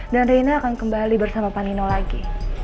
dan reina akan kembali bersama panino lagi